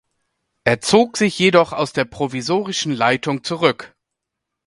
Er zog sich jedoch aus der provisorischen Leitung zurück.